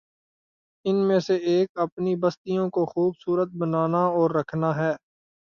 ان میں سے ایک اپنی بستیوں کو خوب صورت بنانا اور رکھنا ہے۔